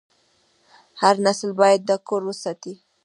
هر نسل باید دا کور وساتي.